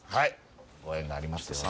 ご縁がありますように。